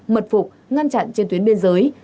mật phục ngăn chặn trên tuyến biên giới